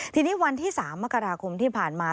ทีนี้วันที่๓มกราคมที่ผ่านมา